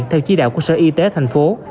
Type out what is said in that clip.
theo chi đạo của sở y tế thành phố